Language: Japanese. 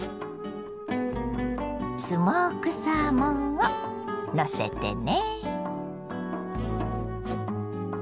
スモークサーモンをのせてね。